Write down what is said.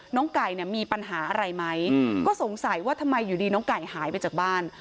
ไก่เนี่ยมีปัญหาอะไรไหมก็สงสัยว่าทำไมอยู่ดีน้องไก่หายไปจากบ้าน